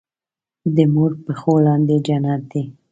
دې مور پښو لاندې جنت دی